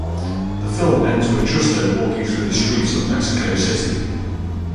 The film ends with Justo walking through the streets of Mexico City.